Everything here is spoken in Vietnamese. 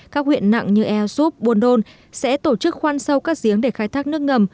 các huyện nặng như eosup buồn đôn sẽ tổ chức khoan sâu các giếng để khai thác nước ngầm